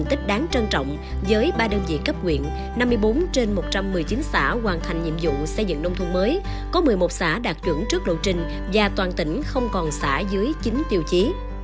năm mươi bốn trên một trăm một mươi chín xã hoàn thành nhiệm vụ xây dựng nông thôn mới có một mươi một xã đạt chuẩn trước lộ trình và toàn tỉnh không còn xã dưới chính tiêu chí